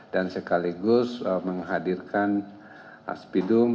dan sekaligus menghadirkan aspidum